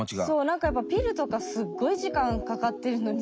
何かやっぱピルとかすっごい時間かかってるのにさ。